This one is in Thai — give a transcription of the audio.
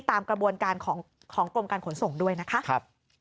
ตามกระบวนการของกรมการขนส่งด้วยนะคะ